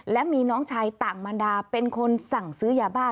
และมีน้องชายต่างมันดาเป็นคนสั่งซื้อยาบ้า